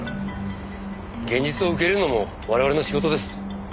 現実を受け入れるのも我々の仕事です。